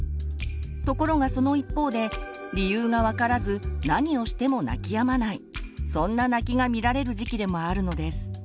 ところがその一方で理由が分からず何をしても泣きやまないそんな泣きが見られる時期でもあるのです。